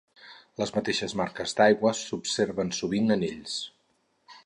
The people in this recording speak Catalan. Les mateixes marques d'aigua s'observen sovint en ells.